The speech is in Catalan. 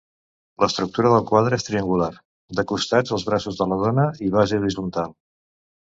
L'estructura del quadre és triangular, de costats els braços de la dona i base horitzontal.